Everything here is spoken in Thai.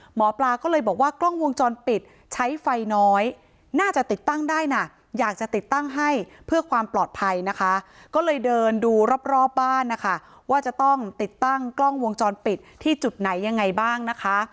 หมอปลาก็เลยบอกว่ากล้องวงจรปิดใช้ไฟน้อยน่าจะติดตั้งได้นะอยากจะติดตั้งให้เพื่อความปลอดภัยนะคะก็เลยเดินดูรอบบ้านนะคะว่าจะต้องติดตั้งกล้องวงจรปิดที่จุดไหนยังไงบ้างนะคะ